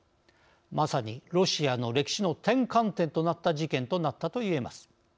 まさにロシアの歴史の転換点となった事件となったといえます。